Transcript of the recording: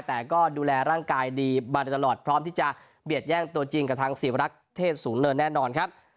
แต่ก็ดูแลร่างกายดีมาโดยตลอดพร้อมที่จะเบียดแย่งตัวจริงกับทางศิวรักษ์เทศสูงเนินแน่นอนครับ